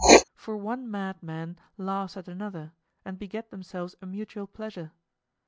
For one mad man laughs at another, and beget themselves a mutual pleasure.